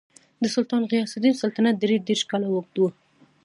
د سلطان غیاث الدین سلطنت درې دېرش کاله اوږد و.